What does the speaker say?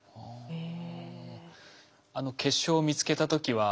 へえ。